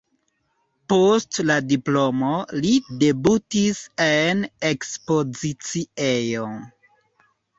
Post la diplomo li debutis en ekspoziciejo.